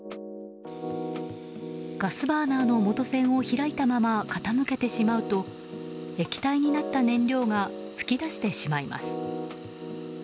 ガスバーナーの元栓を開いたまま傾けてしまうと液体になった燃料が噴き出してしまいます。